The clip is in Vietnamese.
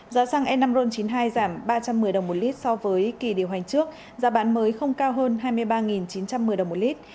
giá xăng n năm ron chín mươi hai giảm ba trăm một mươi đồng một lít so với kỳ điều hành trước giá bán mới không cao hơn hai mươi ba chín trăm một mươi đồng một lít